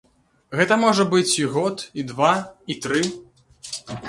Гэта можа быць і год, і два, і тры.